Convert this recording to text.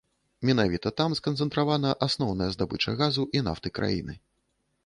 Менавіта там сканцэнтравана асноўная здабыча газу і нафты краіны.